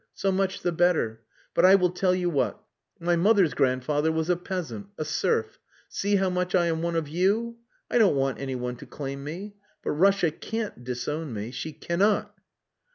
So much the better. But I will tell you what: my mother's grandfather was a peasant a serf. See how much I am one of you. I don't want anyone to claim me. But Russia can't disown me. She cannot!"